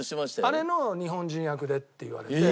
あれの日本人役でって言われて。